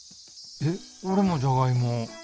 えっ俺もじゃがいも。